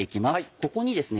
ここにですね